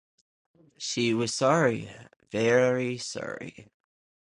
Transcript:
She was sorry, very sorry.